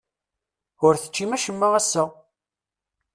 Ur teččim acemma ass-a?